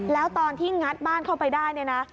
แล้วตอนที่งัดบ้านเข้าไปได้เนี่ยนะ